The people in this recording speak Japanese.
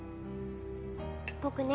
僕ね